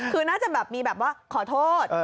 คือน่าจะแบบมีแบบว่าขอโทษ